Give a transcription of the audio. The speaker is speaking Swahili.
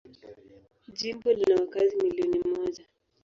Jimbo lina wakazi milioni moja.